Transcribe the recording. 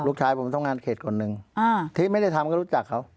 ลูกชายผมทำงานเขตคนหนึ่งที่ไม่ได้ทำก็รู้จักเขา